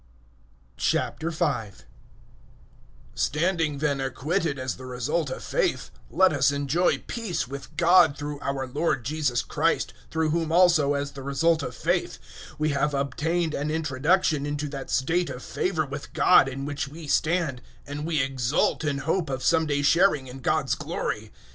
005:001 Standing then acquitted as the result of faith, let us enjoy peace with God through our Lord Jesus Christ, 005:002 through whom also, as the result of faith, we have obtained an introduction into that state of favour with God in which we stand, and we exult in hope of some day sharing in God's glory.